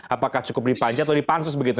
apakah cukup dipanjat atau dipansus begitu